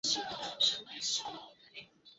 আপনি কী করলেন, আঙ্কেল?